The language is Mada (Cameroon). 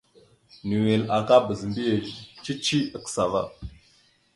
Nʉwel aka bazə mbiyez cici ya kəsa ava.